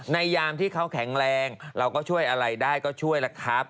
ยามที่เขาแข็งแรงเราก็ช่วยอะไรได้ก็ช่วยแล้วครับ